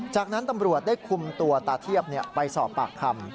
จากนั้นตำรวจได้คุมตัวตาเทียบไปสอบปากคำ